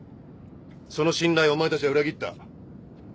その信頼をお前たちは裏切った。